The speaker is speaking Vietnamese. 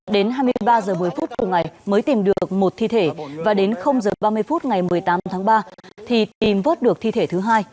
đến hai mươi ba h một mươi phút cùng ngày mới tìm được một thi thể và đến h ba mươi phút ngày một mươi tám tháng ba thì tìm vớt được thi thể thứ hai